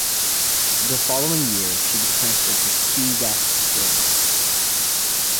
The following year she was transferred to Key West, Florida.